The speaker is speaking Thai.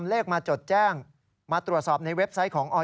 ยอมรับว่าการตรวจสอบเพียงเลขอยไม่สามารถทราบได้ว่าเป็นผลิตภัณฑ์ปลอม